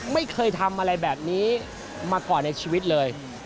ไม่เคยทำอะไรแบบนี้มาก่อนในชีวิตเลย